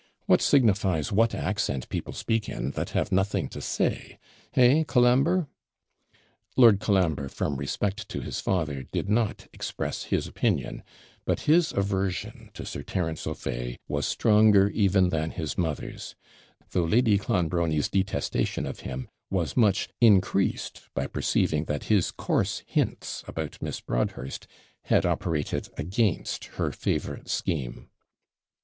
What signifies what accent people speak in that have nothing to say hey, Colambre?' Lord Colambre, from respect to his father, did not express his opinion, but his aversion to Sir Terence O'Fay was stronger even than his mother's; though Lady Clonbrony's detestation of him was much increased by perceiving that his coarse hints about Miss Broadhurst had operated against her favourite scheme.